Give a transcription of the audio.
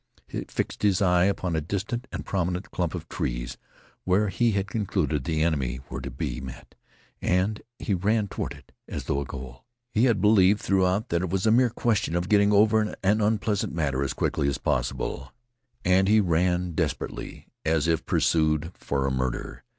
He fixed his eye upon a distant and prominent clump of trees where he had concluded the enemy were to be met, and he ran toward it as toward a goal. He had believed throughout that it was a mere question of getting over an unpleasant matter as quickly as possible, and he ran desperately, as if pursued for a murder.